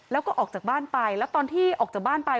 แล้วก็ออกจากบ้านไปแล้วตอนที่ออกจากบ้านไป